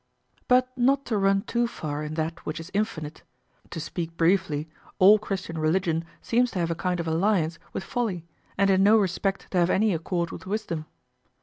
But not to run too far in that which is infinite. To speak briefly, all Christian religion seems to have a kind of alliance with folly and in no respect to have any accord with wisdom.